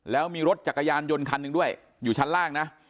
แล้วมีรถจักรยานยนต์คันหนึ่งด้วยอยู่ชั้นล่างนะ